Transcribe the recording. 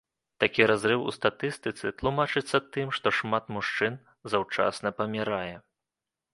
Такі разрыў у статыстыцы тлумачыцца тым, што шмат мужчын заўчасна памірае.